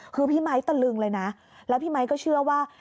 คือพี่ไมค์ตะลึงเลยนะแล้วพี่ไมค์ก็เชื่อว่า